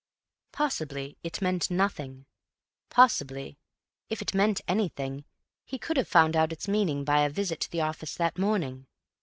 Possibly it meant nothing; possibly, if it meant anything, he could have found out its meaning by a visit to the office that morning.